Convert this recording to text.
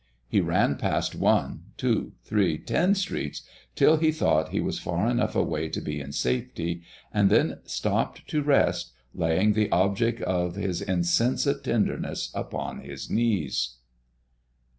He ran past one, two, three, ten streets, till he thought he was far enough away to be in safety, and then stopped to rest, laying the object of his insensate tenderness upon his knees.